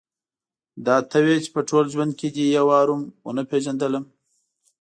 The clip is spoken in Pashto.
دا ته وې چې په ټول ژوند کې دې یو وار هم ونه پېژندلم.